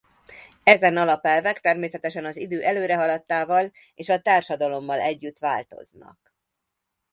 Ezen alapelvek természetesen az idő előrehaladtával és a társadalommal együtt változnak.